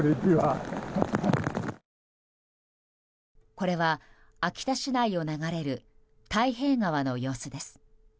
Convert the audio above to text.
これは秋田市内を流れる太平川の様子です。